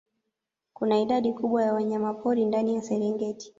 Kuna idadi kubwa ya wanyamapori ndani ya Serengeti